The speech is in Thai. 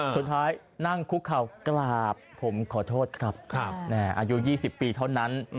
สุดท้ายนั่งคุกเข่ากราบผมขอโทษครับอายุ๒๐ปีเท่านั้น